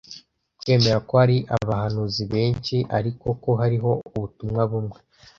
Kwemera ko hari abahanuzi benshi ariko ko hariho ubutumwa bumwe